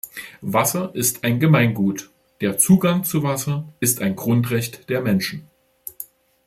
Wasser ist ein Gemeingut, der Zugang zu Wasser ist ein Grundrecht der Menschen.